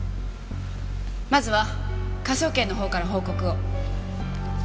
まずは科捜研の方から報告を。